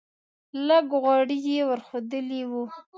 لږ غوړي یې ور ښودلی و.